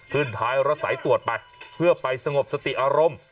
พื้นท้ายเอาละสายตรวจไปเพื่อไปสงบสติอารมณ์